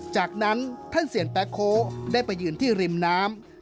จากนั้นท่านเสียนแป๊โค้ได้ไปยืนที่ริมน้ำ